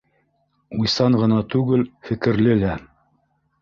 Уйсан ғына түгел, фекерле лә.